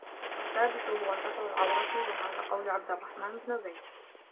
وَالسَّادِسُ هُوَ سَتْرُ الْعَوْرَةِ وَهَذَا قَوْلُ عَبْدِ الرَّحْمَنِ بْنِ زَيْدٍ